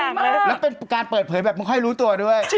แล้วเป็นการเปิดเผยแบบไม่ค่อยรู้ตัวด้วย